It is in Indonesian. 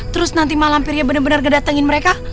terus nanti malam pirnya bener bener ngedatengin mereka